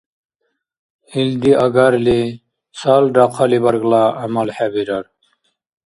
Илди агарли цалра хъалибаргла гӀямал хӀебирар.